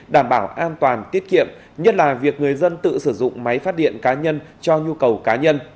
đảm bảo an toàn tiết kiệm nhất là việc người dân tự sử dụng máy phát điện cá nhân cho nhu cầu cá nhân